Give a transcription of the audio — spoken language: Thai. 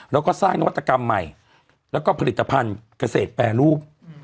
แล้วก็สร้างนวัตกรรมใหม่แล้วก็ผลิตภัณฑ์เกษตรแปรรูป